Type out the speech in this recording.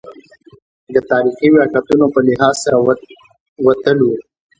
د تاریخي واقعیتونو په لحاظ سره وتلو.